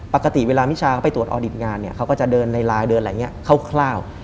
ปกติเวลามิชชาเขาไปตรวจออดิตงานเขาก็จะเดินในลายเขาคล่าว